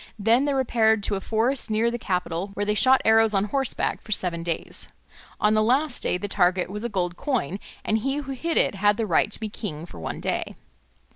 Then they repaired to a forest near the capital where they shot arrows on horseback for seven days. On the last day the target was a gold coin, and he who hit it had the right to be king for one day.